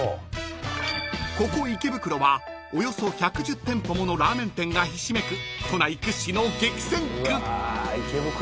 ［ここ池袋はおよそ１１０店舗ものラーメン店がひしめく都内屈指の激戦区］